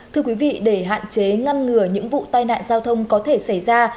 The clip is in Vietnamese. thưa quý vị để hạn chế ngăn ngừa những vụ tai nạn giao thông có thể xảy ra